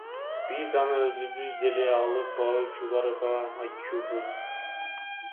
Биз аны өзүбүз деле алып баруучуларга айтчубуз.